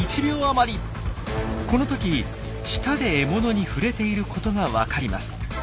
この時舌で獲物に触れていることがわかります。